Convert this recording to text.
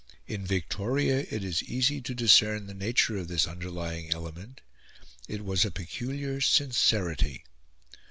In Victoria, it is easy to discern the nature of this underlying element: it was a peculiar sincerity.